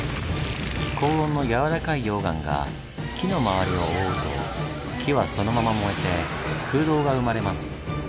高温のやわらかい溶岩が木の周りを覆うと木はそのまま燃えて空洞が生まれます。